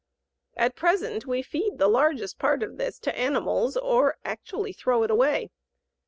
At present we feed the largest part of this to animals or actually throw it away.